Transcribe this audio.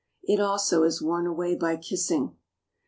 It also is worn away by kissing.